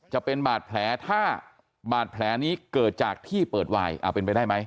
จะเป็นบาดแผลถ้าบาดแผลนี้เกิดจากที่เปิดวายเป็นไปได้ไหม